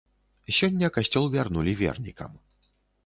Сёння касцёл вярнулі вернікам.